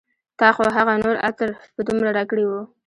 تا خو هغه نور عطر په دومره راکړي و